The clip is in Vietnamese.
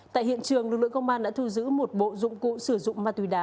tại hiện trường lực lượng công an đã thu giữ một bộ dụng cụ sử dụng ma túy đá